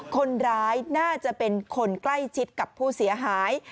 คนร้ายน่าจะเป็นคนใกล้ชิดกับผู้เสียหาย